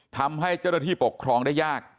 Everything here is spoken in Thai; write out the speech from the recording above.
ทำให้เจ้าหน้าที่ปกครองได้ยาก